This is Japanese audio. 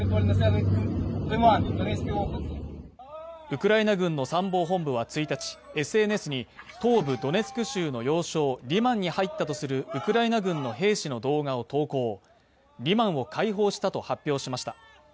ウクライナ軍の参謀本部は１日、ＳＮＳに、東部ドネツク州の要衝、リマンに入ったとするウクライナ軍の兵士の動画を投稿、リマンを解放したと発表しました。